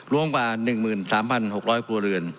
รวมกว่า๑๓๖๐๐ครัวเรือน